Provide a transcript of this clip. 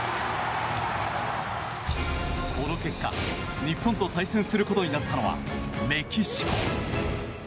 この結果日本と対戦することになったのはメキシコ。